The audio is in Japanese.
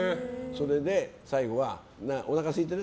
それで最後はおなかすいてる？